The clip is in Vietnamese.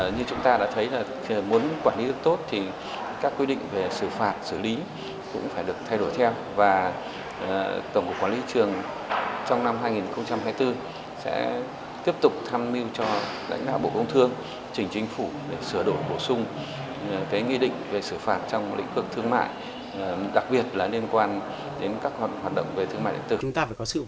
như chúng ta đã thấy là muốn quản lý được tốt thì các quy định về xử phạt xử lý cũng phải được thay đổi theo